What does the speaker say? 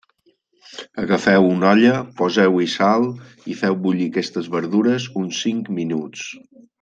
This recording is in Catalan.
Agafeu una olla, poseu-hi sal i feu bullir aquestes verdures uns cinc minuts.